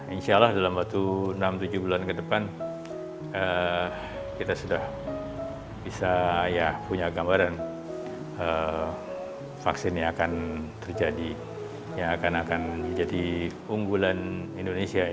insya allah dalam waktu enam tujuh bulan ke depan kita sudah bisa punya gambaran vaksinnya akan terjadi yang akan menjadi unggulan indonesia ini